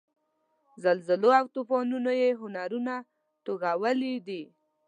زلزلو او توپانونو یې هنرونه توږلي دي.